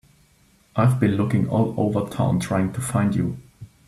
I've been looking all over town trying to find you.